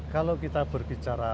kalau kita berbicara